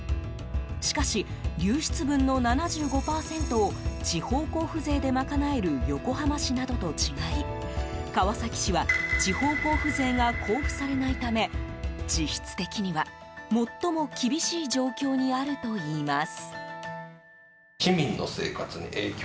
しかし、流出分の７５％を地方交付税で賄える横浜市などと違い川崎市は地方交付税が交付されないため実質的には最も厳しい状況にあるといいます。